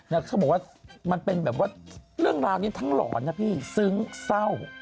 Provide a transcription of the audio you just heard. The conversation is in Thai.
แล้วเขาบอกว่ามันเป็นแบบว่าเรื่องราวนี้ทั้งหลอนนะพี่ซึ้งเศร้า